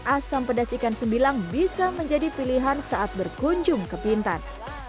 asam pedas ikan sembilang bisa menjadi pilihan saat berkunjung ke bintan